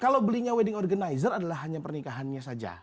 kalau belinya wedding organizer adalah hanya pernikahannya saja